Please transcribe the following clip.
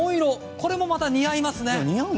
これもまた似合いますね。